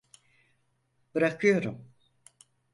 Bırakıyorum.